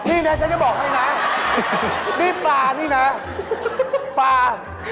นี่นะฉันจะบอกให้นะนี่ปลานี่นะปลา